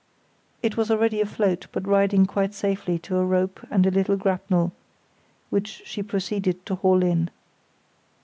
It was already afloat, but riding quite safely to a rope and a little grapnel, which she proceeded to haul in.